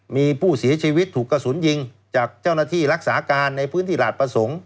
มีผู้เสียชีวิตถูกกระสุนยิงจากเจ้าหน้าที่รักษาการในพื้นที่หลาดประสงค์